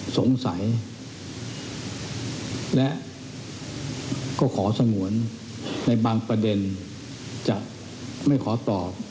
สงสัยและก็ขอสงวนในบางประเด็นจะไม่ขอตอบ